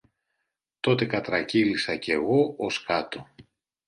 Τότε κατρακύλησα κι εγώ ως κάτω